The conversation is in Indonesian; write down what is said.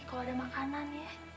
kalau ada makanan ya